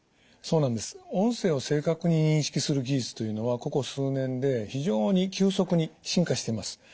音声を正確に認識する技術というのはここ数年で非常に急速に進化してます。